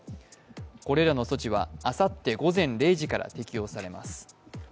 これらの措置はあさって午前０時から適用されます。